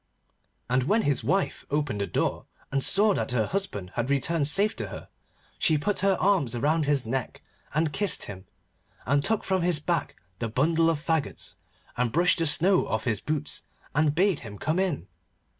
And when his wife opened the door and saw that her husband had returned safe to her, she put her arms round his neck and kissed him, and took from his back the bundle of faggots, and brushed the snow off his boots, and bade him come in.